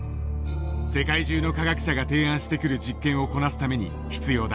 世界中の科学者が提案してくる実験をこなすために必要だからだ。